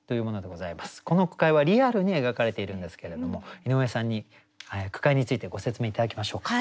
この句会はリアルに描かれているんですけれども井上さんに句会についてご説明頂きましょうか。